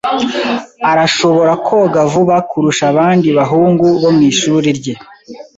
Arashobora koga vuba kurusha abandi bahungu bo mwishuri rye.